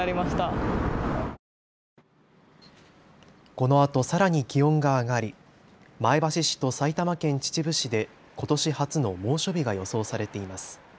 このあとさらに気温が上がり前橋市と埼玉県秩父市でことし初の猛暑日が予想されています。